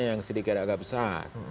yang sedikit agak besar